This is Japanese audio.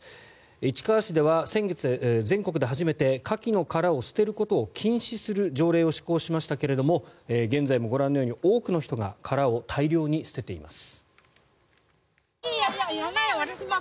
市川市では先月、全国で初めてカキの殻を捨てることを禁止する条例を施行しましたけども現在もご覧のように多くの人が殻を大量に捨てています。